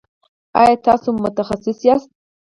ایا تاسو متخصص یاست؟